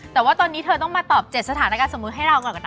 แต่ว่าตอนนี้เธอต้องมาตอบ๗สถานการณ์สมมุติให้เราก่อนนะ